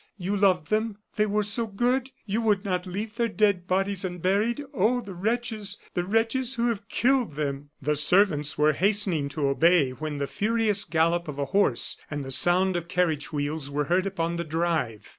You loved them; they were so good! You would not leave their dead bodies unburied! oh! the wretches! the wretches who have killed them!" The servants were hastening to obey when the furious gallop of a horse and the sound of carriage wheels were heard upon the drive.